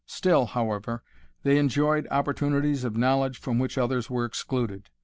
Still, however, they enjoyed opportunities of knowledge from which others were excluded.